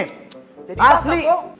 jadi pasang toh